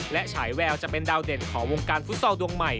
และฉายแววจะเป็นดาวเด่นของวงการฟุตซอลดวงใหม่